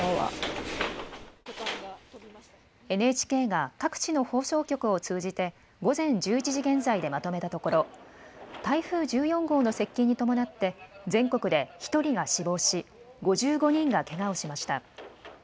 ＮＨＫが各地の放送局を通じて午前１１時現在でまとめたところ、台風１４号の接近に伴って、全国で１人が死亡し、５５人がけがをしました。